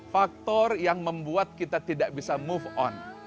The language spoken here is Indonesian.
faktor yang membuat kita tidak bisa move on